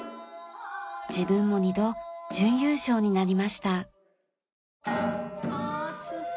自分も２度準優勝になりました。